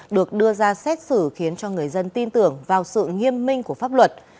được đưa ra xét xử khiến cho người dân tin tưởng vào sự nghiêm minh của pháp luật